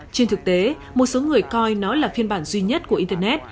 trên thực tế một số người coi nó là phiên bản duy nhất của internet